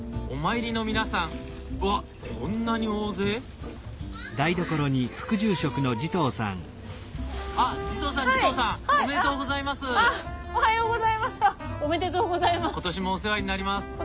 おめでとうございます！